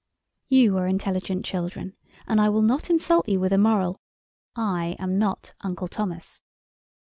You are intelligent children, and I will not insult you with a moral. I am not Uncle Thomas.